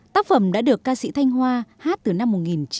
các phẩm đã được ca sĩ thanh hoa hát từ năm một nghìn chín trăm tám mươi sáu